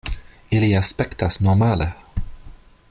Ili aspektas normale.